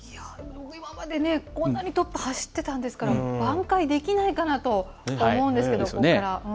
今までね、こんなにトップ走ってたんですから、挽回できないかなと思うんですけど、そこから。